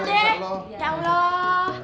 ya udah yaudah